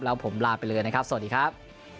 แล้วผมลาไปเลยนะครับสวัสดีครับ